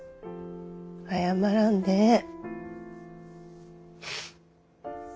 謝らんでええ。